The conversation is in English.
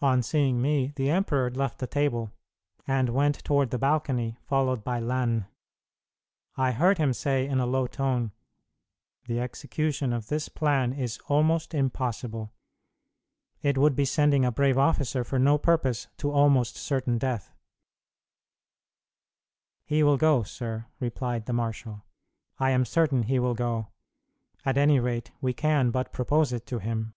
On seeing me, the emperor left the table, and went toward the balcony, followed by Lannes. I heard him say in a low tone, "The execution of this plan is almost impossible; it would be sending a brave officer for no purpose to almost certain death." "He will go, sir," replied the marshal; "I am certain he will go: at any rate we can but propose it to him."